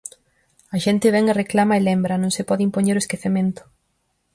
A xente vén e reclama e lembra, non se pode impoñer o esquecemento.